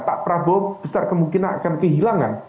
pak prabowo besar kemungkinan akan kehilangan